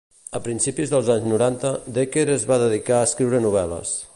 A principis dels anys noranta, Dekker es va dedicar a escriure novel·les.